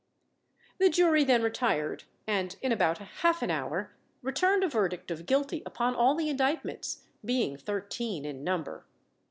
The jury then retired, and in about half an hour returned a verdict of guilty upon all the indictments, being thirteen in number.